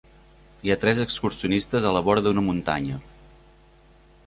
Hi ha tres excursionistes a la vora d'una muntanya.